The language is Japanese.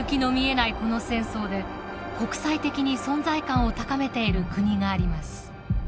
この戦争で国際的に存在感を高めている国があります。